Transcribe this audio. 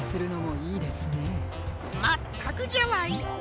まったくじゃわい。